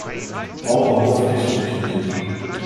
Auch war Hoff dichterisch tätig.